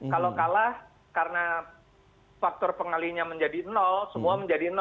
kalau kalah karena faktor pengalinya menjadi semua menjadi